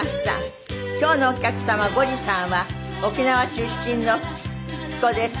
今日のお客様ゴリさんは沖縄出身の復帰っ子です。